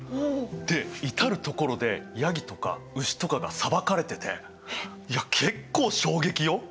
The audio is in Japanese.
で至る所でヤギとか牛とかがさばかれてていや結構衝撃よ。